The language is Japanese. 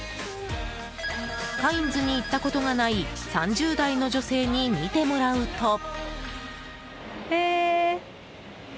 カインズに行ったことがない３０代の女性に見てもらうと。